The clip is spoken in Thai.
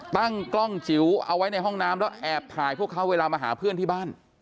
ตั้งกล้องจิ๋วเอาไว้ในห้องน้ำแล้วแอบถ่ายพวกเขาเวลามาหาเพื่อนที่บ้าน